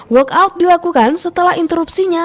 walkout dilakukan setelah interupsinya